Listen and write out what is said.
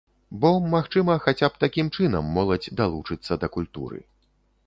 Бо, магчыма, хаця б такім чынам моладзь далучыцца да культуры.